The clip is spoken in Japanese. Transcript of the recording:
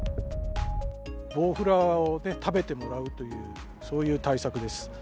ボウフラを食べてもらうという、そういう対策です。